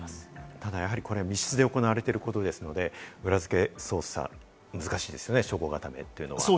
ただ密室で行われていることですので、裏付け捜査、難しいですよね、証拠固めは。